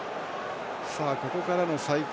ここからの再開